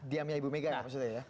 diamnya ibu mega maksudnya ya